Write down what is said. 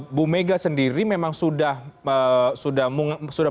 ibu mega sendiri memang sudah